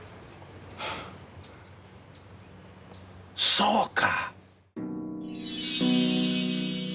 そうか！